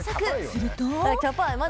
すると。